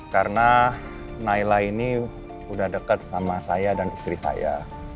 karena nailah ini udah dekat sama saya dan istri saya